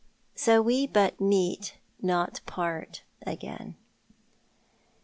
so WE CUT MEET XOT PAKT AGAIN'."